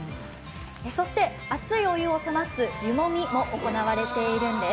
そして熱いお湯を冷ます湯もみも行われているんです。